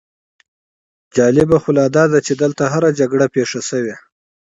جالبه خو لا داده چې دلته هره جګړه پېښه شوې.